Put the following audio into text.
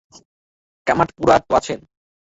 কামাঠিপুরার তো আছেন।